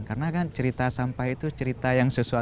karena kan cerita sampah itu cerita yang sesuatu yang